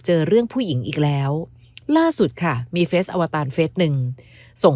เจอเรื่องผู้หญิงอีกแล้วล่าสุดค่ะมีเฟสอวตารเฟสหนึ่งส่ง